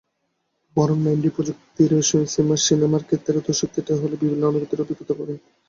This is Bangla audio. বরং নাইনডি প্রযুক্তির সিনেমার ক্ষেত্রে দর্শক থিয়েটার হলে বিভিন্ন অনুভূতির অভিজ্ঞতা পাবেন।